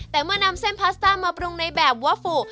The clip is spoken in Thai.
แต่เมื่อนำเส้นพาสต้ามาปรุงในแบบวาฟู